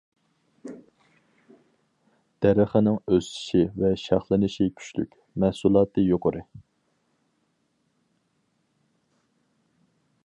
دەرىخىنىڭ ئۆسۈشى ۋە شاخلىنىشى كۈچلۈك، مەھسۇلاتى يۇقىرى.